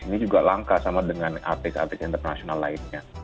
ini juga langka sama dengan artis artis internasional lainnya